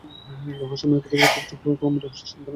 রহস্যময় এই পৃথিবীর খুব কম রহস্যের সন্ধানই আমি জানি।